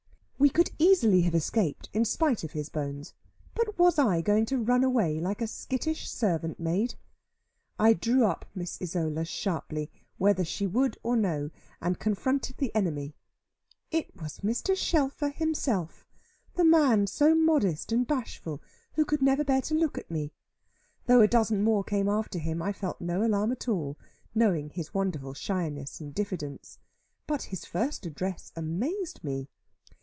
We could easily have escaped, in spite of his bones; but was I going to run away, like a skittish servant maid? I drew up Miss Isola sharply, whether she would or no, and confronted the enemy. It was Mr. Shelfer himself, the man so modest and bashful, who could never bear to look at me. Though a dozen more came after him, I felt no alarm at all, knowing his wonderful shyness and diffidence. But his first address amazed me.